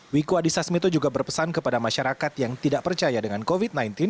wiku adhisa smito juga berpesan kepada masyarakat yang tidak percaya dengan covid sembilan belas